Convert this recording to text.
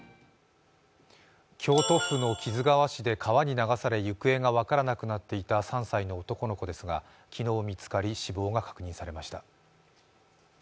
京都府の木津川市で川に流され行方が分からなくなっていた３歳の男の子ですが、昨日見つかり死亡が確認されました。